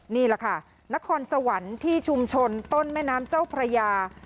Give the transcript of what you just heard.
นี่แหละค่ะนครสวรรค์ที่ชุมชนต้นแม่น้ำเจ้าพระยา